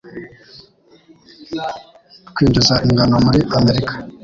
Twinjiza ingano muri Amerika.